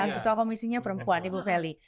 ketua komisinya perempuan ibu feli